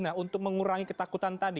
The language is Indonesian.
nah untuk mengurangi ketakutan tadi